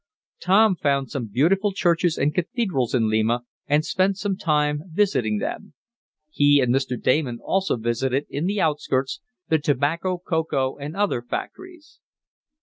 Tom found some beautiful churches and cathedrals in Lima, and spent some time visiting them. He and Mr. Damon also visited, in the outskirts, the tobacco, cocoa and other factories.